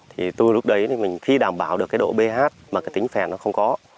thì tôi lúc đấy khi đảm bảo được độ ph mà tính phèn không có